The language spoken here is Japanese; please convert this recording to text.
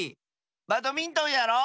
バドミントンやろう！